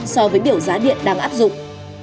so với biểu giá điện đang áp dụng